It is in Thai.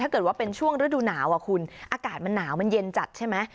ถ้าเกิดว่าเป็นช่วงฤดูหนาวคุณอากาศมันหนาวมันเย็นจัดใช่ไหม